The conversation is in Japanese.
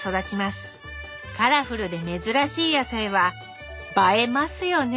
カラフルで珍しい野菜は映えますよね。